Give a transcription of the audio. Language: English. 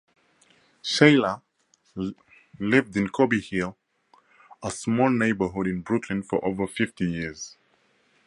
Sheila lived in Cobble Hill, a small neighborhood in Brooklyn for over fifty years.